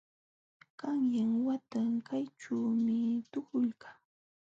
Qanyan wata kayćhuumi tuhulqaa.